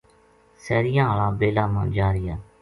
سیریاں ہالا بیلا ما جا رہیا